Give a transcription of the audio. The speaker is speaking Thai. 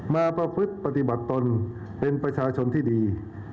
ประพฤติปฏิบัติตนเป็นประชาชนที่ดี